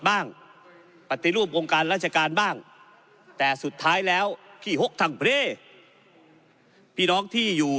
ปฏิรูปวงการราชการบ้างแต่สุดท้ายแล้วพี่หกทางเพศพี่น้องที่อยู่